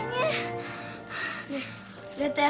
nih liat ya